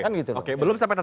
kan gitu loh